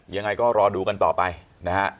ยังไงก็รอดูกันต่อไปนะฮะ